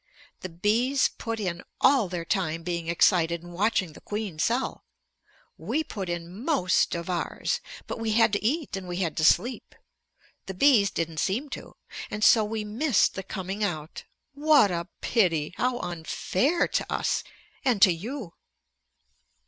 The bees put in all their time being excited and watching the queen cell. We put in most of ours. But we had to eat and we had to sleep. The bees didn't seem to. And so we missed the coming out. What a pity! How unfair to us! And to you.